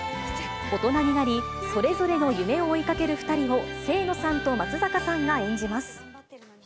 大人になり、それぞれの夢を追いかける２人を、清野さんと松坂さんが演じます。